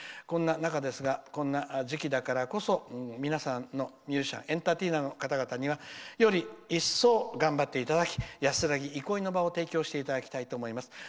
こんな中ですがこんな時期だからこそ皆さんのミュージシャンエンターテイナーの方々にはより一層頑張っていただき安らぎ、憩いの場を提供していただきたいと思います。